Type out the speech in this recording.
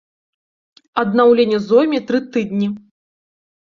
Аднаўленне зойме тры тыдні.